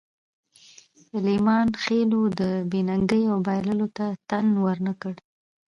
سلیمان خېلو د بې ننګۍ او بایللو ته تن ور نه کړ.